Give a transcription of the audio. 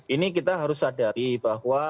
ini kita harus sadari bahwa